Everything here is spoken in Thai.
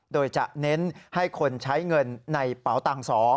โดยจะเน้นให้คนใช้เงินในเป๋าตัง๒